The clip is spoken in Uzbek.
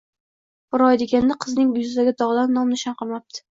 Bir oy deganda qizning yuzidagi dog‘dan nom-nishon qolmabdi